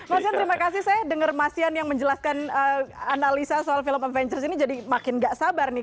mas yan terima kasih saya dengar mas yan yang menjelaskan analisa soal film avengers ini jadi makin gak sabar nih